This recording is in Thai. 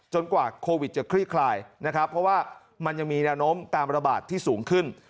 กว่าโควิดจะคลี่คลายนะครับเพราะว่ามันยังมีแนวโน้มการระบาดที่สูงขึ้น